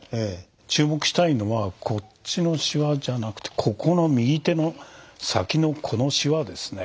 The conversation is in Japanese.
注目したいのはこっちのシワじゃなくてここの右手の先のこのシワですね。